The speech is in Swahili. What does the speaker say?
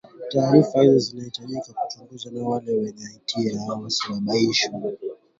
taarifa hizo zinahitaji kuchunguzwa na wale wenye hatia wawajibishwe